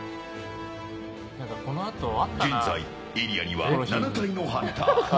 現在、エリアには７体のハンター。